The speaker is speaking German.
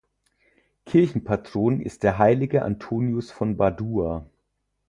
Kirchenpatron ist der heilige Antonius von Padua.